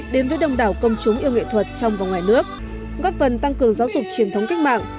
đến với đồng đảo công chúng yêu nghệ thuật trong và ngoài nước góp phần tăng cường giáo dục truyền thống cách mạng